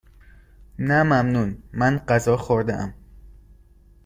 نه ممنون، من غذا خوردهام.